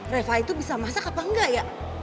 reva itu bisa masak apa enggak ya